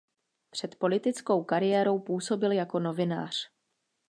Před politickou kariérou působil jako novinář.